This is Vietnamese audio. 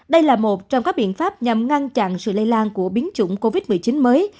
đây là một trong các biện pháp nhằm ngăn chặn sự lây lan của biến chủng covid một mươi chín mới